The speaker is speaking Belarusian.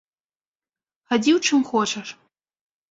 Хадзі ў чым хочаш!